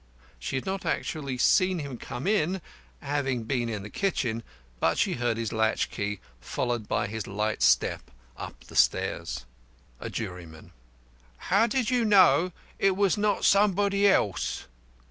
She had not actually seen him come in, having been in the kitchen, but she heard his latch key, followed by his light step up the stairs. A JURYMAN: How do you know it was not somebody else?